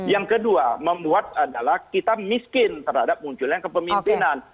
yang kedua membuat adalah kita miskin terhadap munculnya kepemimpinan